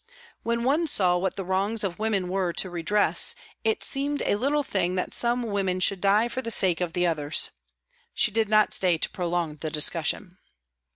When one saw what the wrongs of women were to redress, it seemed a little thing that some women should die for the sake of the others. She did not stay to prolong the discussion.